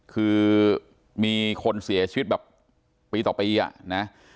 คือมีคนเสียชีวิตแบบปีต่อปีอ่ะนะ